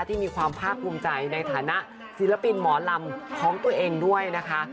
ที่มีความภาคภูมิใจในฐานะศิลปินหมอลำของตัวเองด้วยนะคะ